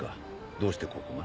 どうしてここが？